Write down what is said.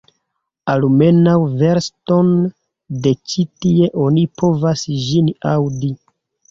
Almenaŭ verston de ĉi tie oni povas ĝin aŭdi!